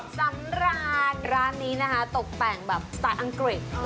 สำรานร้านนี้ตกแน่งสไตล์อังกฤษ